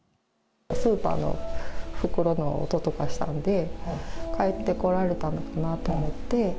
スーパーの袋の音とかしたので、帰ってこられたのかなと思って。